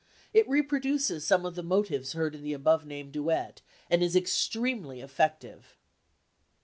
It reproduces some of the motives heard in the above named duet, and is extremely effective."